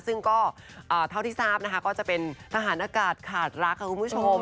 ซึ่งก็เท่าที่ทราบนะคะก็จะเป็นทหารอากาศขาดรักค่ะคุณผู้ชม